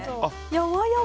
やわやわ。